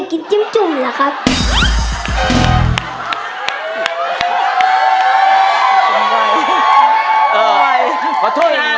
อยากกินจิ้มจุ่มหรอครับ